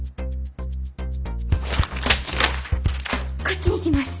こっちにします。